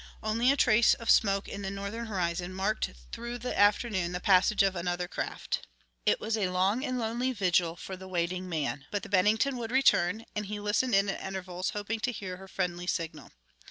Only a trace of smoke on the northern horizon marked through the afternoon the passage of other craft. It was a long and lonely vigil for the waiting man. But the Bennington would return, and he listened in at intervals hoping to hear her friendly signal.